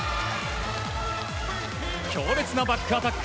強烈なバックアタック。